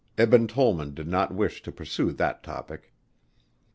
Eben Tollman did not wish to pursue that topic.